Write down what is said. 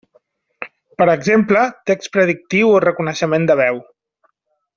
Per exemple, text predictiu o reconeixement de veu.